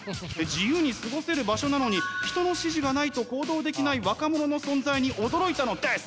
自由に過ごせる場所なのに人の指示がないと行動できない若者の存在に驚いたのです。